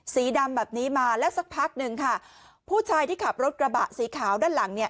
สีดำแบบนี้มาแล้วสักพักหนึ่งค่ะผู้ชายที่ขับรถกระบะสีขาวด้านหลังเนี่ย